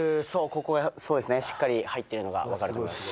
ここへしっかり入ってるのが分かると思います。